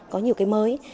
có nhiều cái mới